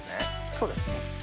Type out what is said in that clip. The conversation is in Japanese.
そうですね。